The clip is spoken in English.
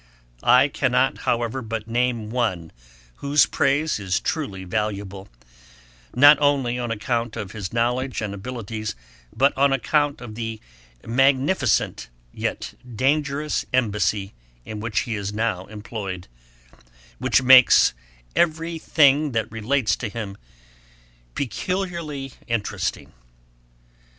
I cannot however but name one whose praise is truly valuable, not only on account of his knowledge and abilities, but on account of the magnificent, yet dangerous embassy, in which he is now employed, which makes every thing that relates to him peculiarly interesting.